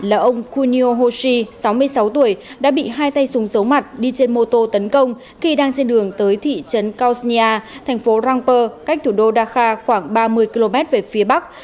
nạn nhân người nhật bản là ông kunio hoshi sáu mươi sáu tuổi đã bị hai tay súng giấu mặt đi trên mô tô tấn công khi đang trên đường tới thị trấn khaosnia thành phố rangpur cách thủ đô dhaka khoảng ba mươi km về phía bắc